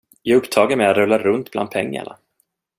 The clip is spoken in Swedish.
Jag är upptagen med att rulla runt bland pengarna.